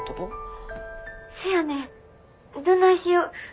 せやねんどないしよ。